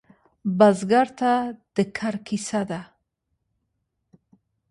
بزګر ته د کر کیسه ده